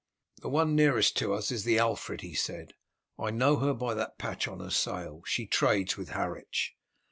"The one nearest to us is the Alfred," he said. "I know her by that patch on her sail. She trades with Harwich.